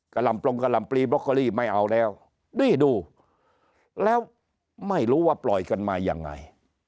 ลำปรงกะลำปลีบล็กเกอรี่ไม่เอาแล้วนี่ดูแล้วไม่รู้ว่าปล่อยกันมายังไง